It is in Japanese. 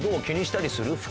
気にしたりする？